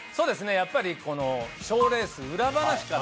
やっぱりこの「賞レース裏話」から。